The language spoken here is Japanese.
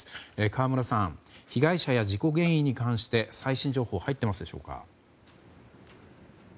河村さん被害者や事故原因に関して最新情報入っていますでしょうか？